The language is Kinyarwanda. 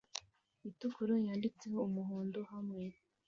itukura yanditseho umuhondo hamwe